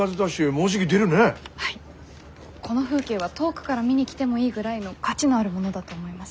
この風景は遠くから見に来てもいいぐらいの価値のあるものだと思います。